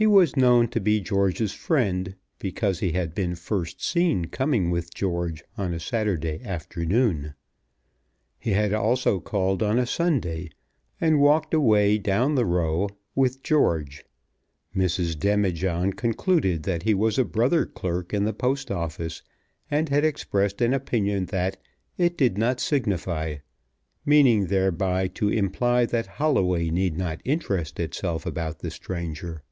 He was known to be George's friend, because he had been first seen coming with George on a Saturday afternoon. He had also called on a Sunday and walked away, down the Row, with George. Mrs. Demijohn concluded that he was a brother clerk in the Post Office, and had expressed an opinion that "it did not signify," meaning thereby to imply that Holloway need not interest itself about the stranger.